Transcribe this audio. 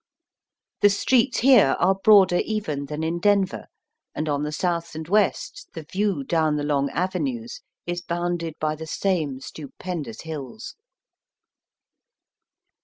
The streets here are broader even than in Denver, and on the south and west the view down the long avenues is bounded by the same stupendous hills.